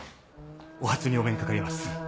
お初にお目にかかります。